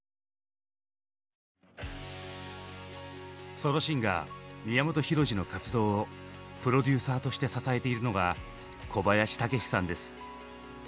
ソロシンガー宮本浩次の活動をプロデューサーとして支えているのが小林武史さんです。